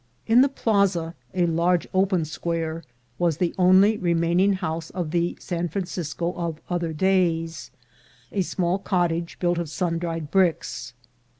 Vin the Plaza, a large open square, was the only remaining house of the San Francisco of other days — a small cottage built of sun dried bricks.